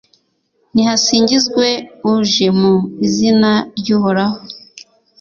nihasingizwe uje mu izina ry'uhoraho